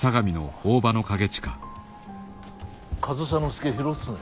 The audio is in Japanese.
上総介広常は。